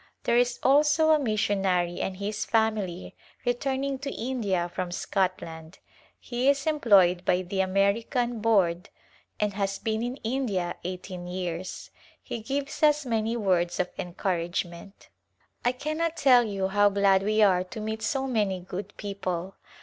There is also a missionary and his family returning to India from Scotland. He is employed by the American Board and has been in India eighteen years. He gives us many words of encouragement. I cannot tell you how glad we are to meet so many good people.